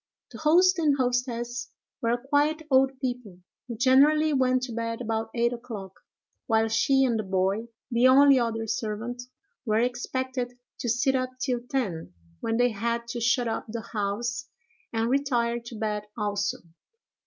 The host and hostess were quiet old people, who generally went to bed about eight o'clock, while she and the boy, the only other servant, were expected to sit up till ten, when they had to shut up the house and retire to bed also.